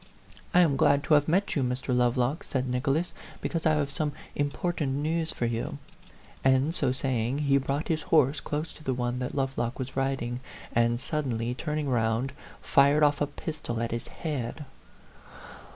'I am glad to have met you, Mr. Lovelock,' said Nicholas, 'because I have some important news for you ; T and, so saying, he brought his horse close to the one that Lovelock was rid ing, and, suddenly turning round, fired off a pistol at his head.